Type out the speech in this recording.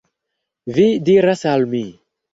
Vi diras al mi